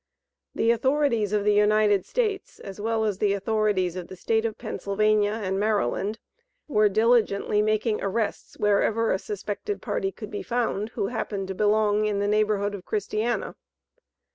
The authorities of the United States, as well as the authorities of the State of Pennsylvania and Maryland, were diligently making arrests wherever a suspected party could be found, who happened to belong in the neighborhood of Christiana.